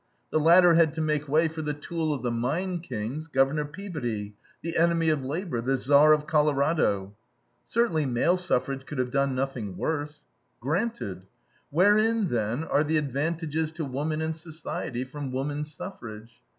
The latter had to make way for the tool of the mine kings, Governor Peabody, the enemy of labor, the Tsar of Colorado. "Certainly male suffrage could have done nothing worse." Granted. Wherein, then, are the advantages to woman and society from woman suffrage?